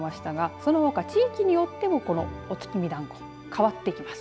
そのほか地域によってもお月見団子、変わってきます。